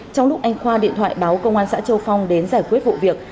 trong lúc anh khoa điện thoại báo công an xã châu phong đến giải quyết vụ việc